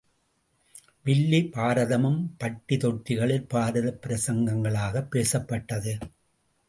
வில்லி பாரதமும் பட்டி தொட்டிகளில் பாரதப் பிரசங்கங்களாகப் பேசப்பட்டது.